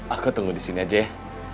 aku tunggu di sini aja